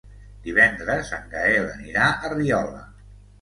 Divendres en Gaël anirà a Riola.